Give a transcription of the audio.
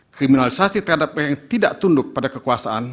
kriminalisasi terhadap orang yang tidak tunduk